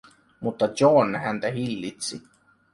Mutta John häntä hillitsi.